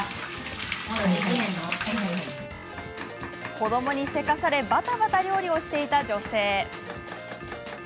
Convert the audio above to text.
子どもにせかされバタバタ料理をしていた女性。